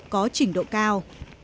có trình độ cao